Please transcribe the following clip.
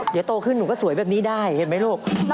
เดี๋ยวโตขึ้นหนูก็สวยแบบนี้ได้เห็นไหมลูก